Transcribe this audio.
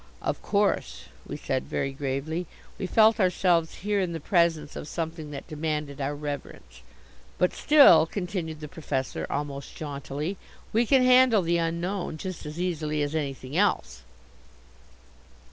"Of course," we said very gravely. We felt ourselves here in the presence of something that demanded our reverence. "But still," continued the Professor almost jauntily, "we can handle the Unknown just as easily as anything else."